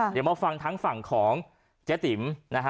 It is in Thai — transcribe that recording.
เดี๋ยวมาฟังทั้งฝั่งของเจ๊ติ๋มนะฮะ